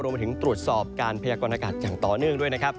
มาถึงตรวจสอบการพยากรณากาศอย่างต่อเนื่องด้วยนะครับ